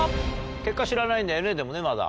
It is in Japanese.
結果知らないんだよねでもねまだ。